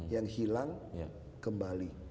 yang hilang kembali